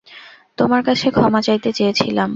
তোমার কাছে ক্ষমা চাইতে চেয়েছিলাম।